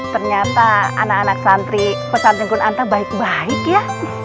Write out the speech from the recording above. ternyata anak anak santri pesantren kunanta baik baik ya